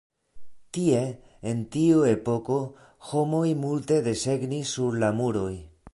Tie, en tiu epoko, homoj multe desegnis sur la muroj.